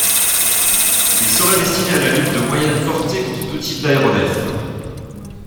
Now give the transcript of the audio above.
Il serait destiné à la lutte de moyenne portée contre tous types d'aéronefs.